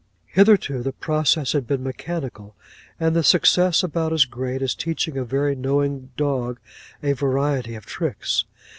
'Hitherto, the process had been mechanical, and the success about as great as teaching a very knowing dog a variety of tricks.